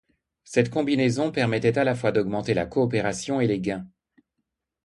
Cette combinaison permettrait à la fois d'augmenter la coopération et les gains.